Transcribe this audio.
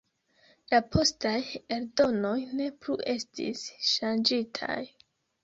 La postaj eldonoj ne plu estis ŝanĝitaj.